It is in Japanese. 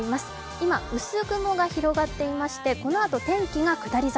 今、薄雲が広がっていまして、この後天気が下り坂。